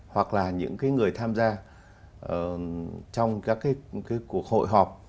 hoặc là những người tham gia trong các cuộc hội họp